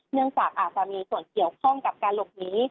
เนื่องจากอาจจะมีส่วนเกี่ยวข้องกับการหลบหนี